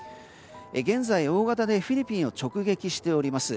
現在、大型でフィリピンを直撃しております。